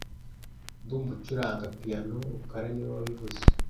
Ndumva ucuranga piyano rukara niwe wabivuze